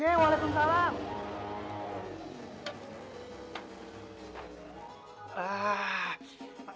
jee walaikum salam